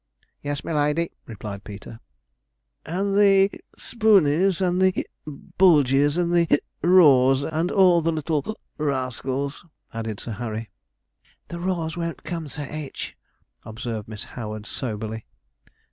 'Yes, my lady,' replied Peter. 'And the Spooneys, and the Bulgeys, and the Raws, and all the little rascals,' added Sir Harry. 'The Raws won't come. Sir H.,' observed Miss Howard soberly.